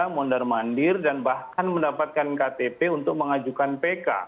mondar mandir dan bahkan mendapatkan ktp untuk mengajukan pk